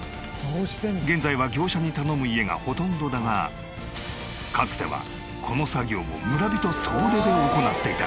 現在は業者に頼む家がほとんどだがかつてはこの作業を村人総出で行っていた。